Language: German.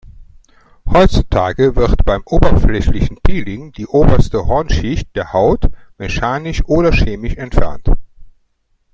Heutzutage wird beim oberflächlichen Peeling die oberste Hornschicht der Haut mechanisch oder chemisch entfernt.